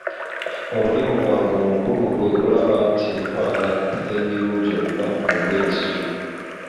Omulimu gwange omukulu kwe kulaba nti nkwanaganya emirimu gyonna mu minisitule.